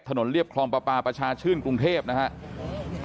เรียบคลองประปาประชาชื่นกรุงเทพนะครับ